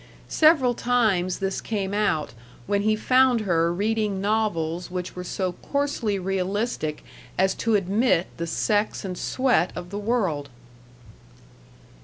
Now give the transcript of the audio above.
Several times this came out when he found her reading novels which were so coarsely realistic as to admit the sex and sweat of the world.